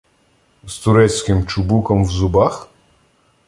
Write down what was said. З турецьким чубуком в зубах?